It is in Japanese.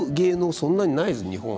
そんなにないですよね日本は。